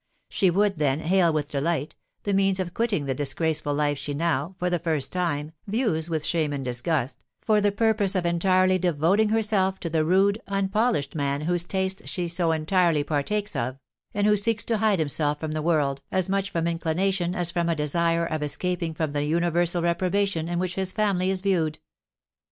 She would, then, hail with delight the means of quitting the disgraceful life she now, for the first time, views with shame and disgust, for the purpose of entirely devoting herself to the rude, unpolished man whose taste she so entirely partakes of, and who seeks to hide himself from the world, as much from inclination as from a desire of escaping from the universal reprobation in which his family is viewed."